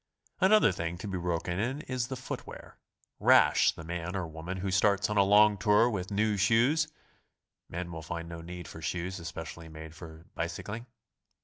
Another thing to be broken in is the footwear. Rash the man or woman who starts on a long tour with new shoes! Men will fin 4 no need for shoes especially made for bicycling.